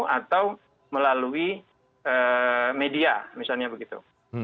atau melalui media misalnya begitu